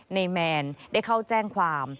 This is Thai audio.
แมนได้เข้าแจ้งความ